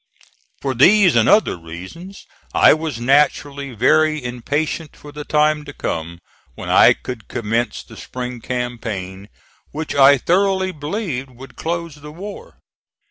For these and other reasons I was naturally very impatient for the time to come when I could commence the spring campaign, which I thoroughly believed would close the war.